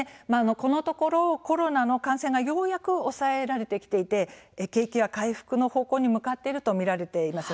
このところコロナの感染がようやく抑えられてきていて景気は回復の方向に向かっていると見られています。